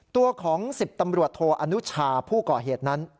ตัวของ๑๐ตำรวจโทอนุชาผู้ก่อเหตุนั้น